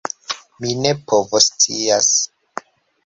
Mi ne povoscias!